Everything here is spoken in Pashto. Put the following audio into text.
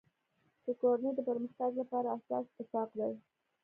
د کورنی د پرمختګ لپاره اساس اتفاق دی.